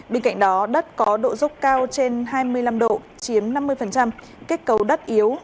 bên cạnh đó đất có độ dốc cao trên hai mươi năm độ chiếm năm mươi kết cấu đất yếu